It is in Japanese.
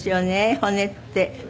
骨って。